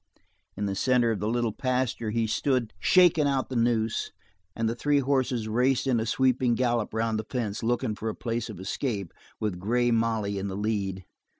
In the center of the little pasture he stood shaking out the noose, and the three horses raced in a sweeping gallop around the fence, looking for a place of escape, with Grey Molly in the lead.